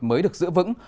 mới được giữ vững